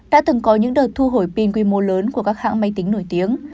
đã từng có những đợt thu hồi pin quy mô lớn của các hãng máy tính nổi tiếng